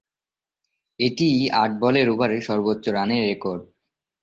এটিই আট-বলের ওভারে সর্বোচ্চ রানের রেকর্ড।